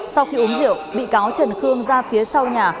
sau khi uống rượu bị cáo trần khương ra phía sau nhà